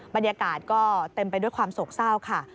บรรยากาศก็เต็มไปด้วยความโศกเศร้าค่ะ